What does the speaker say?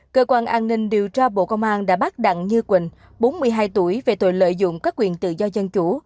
cơ quan an ninh điều tra bộ công an đã bắt đặng như quỳnh bốn mươi hai tuổi về tội lợi dụng các quyền tự do dân chủ